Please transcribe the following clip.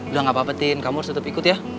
udah gak apa apatin kamu harus tetap ikut ya